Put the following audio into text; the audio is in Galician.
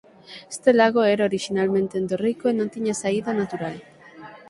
Este lago era orixinalmente endorreico e non tiña saída natural.